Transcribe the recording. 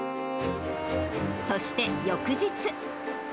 そして翌日。